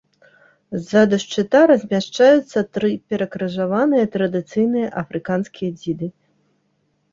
Ззаду шчыта размяшчаюцца тры перакрыжаваныя традыцыйныя афрыканскія дзіды.